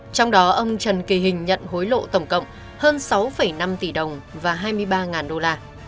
trong đó ông trần kỳ hình nhận hối lộ tổng cộng hơn sáu năm tỷ đồng và hai mươi ba đô la